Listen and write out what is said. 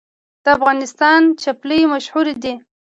د افغانستان څپلۍ مشهورې دي